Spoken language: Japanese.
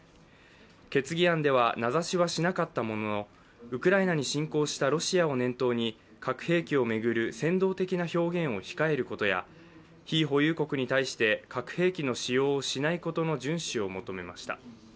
決議案では名指しはしなかったもののウクライナに侵攻したロシアを念頭に核兵器を巡る扇動的な表現を控えることや非保有国に対して核兵器の使用をしないことの順守を求めました。